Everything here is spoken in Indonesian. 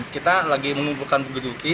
kita lagi mengumpulkan buku buku